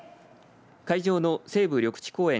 会場の西部緑地公園